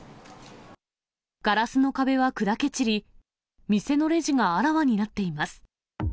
ガラスの壁は砕け散り、店のレジがあらわになっています。